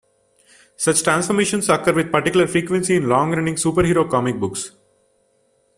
Such transformations occur with particular frequency in long-running superhero comic books.